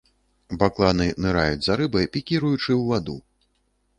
Бакланы ныраюць за рыбай, пікіруючы ў ваду.